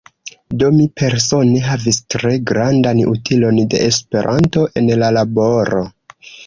Do mi persone havis tre grandan utilon de Esperanto en la laboro.